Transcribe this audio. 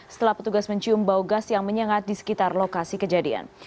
setelah petugas mencium bau gas yang menyengat di sekitar lokasi kejadian